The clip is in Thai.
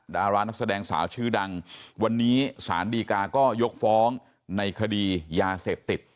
ดารานักแสดงสาวชื่อดังวันนี้สารดีกาก็ยกฟ้องในคดียาเสพติด